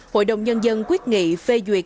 hội đồng nhân dân quyết nghị phê duyệt